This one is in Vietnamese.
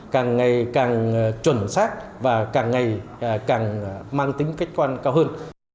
càng ngày càng chuẩn xác và càng ngày càng mang tính khách quan cao hơn